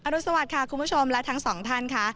รุสวัสดิค่ะคุณผู้ชมและทั้งสองท่านค่ะ